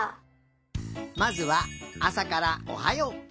まずはあさからおはよう。